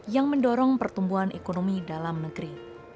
yang mendorong pertumbuhan ekonomi dalam negeri